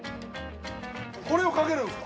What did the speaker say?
これをかけるんですか？